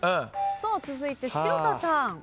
さあ続いて城田さん。